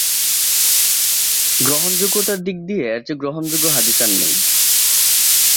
গ্রহণযোগ্যতার দিক দিয়ে এর চেয়ে গ্রহণযোগ্য হাদিস আর নেই।